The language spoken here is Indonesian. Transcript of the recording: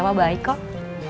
bapak baik kok